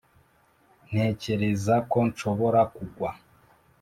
ntekereza ko nshobora kugwa.